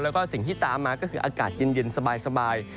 แล้วก็สิ่งที่ตามมาก็คืออากาศเย็นสบาย